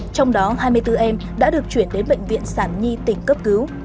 trong đó hai mươi bốn em đã được chuyển đến bệnh viện sản nhi tỉnh cấp cứu